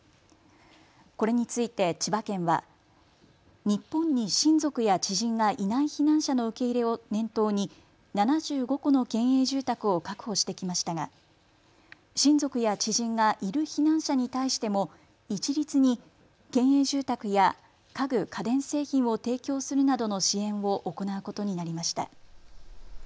これについて千葉県は日本に親族や知人がいない避難者の受け入れを念頭に７５戸の県営住宅を確保してきましたが親族や知人がいる避難者に対しても一律に県営住宅や家具、家電製品を提供するなどの支援を行うことになりました。